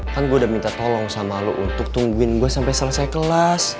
kan gua udah minta tolong sama lu untuk tungguin gua sampe selesai kelas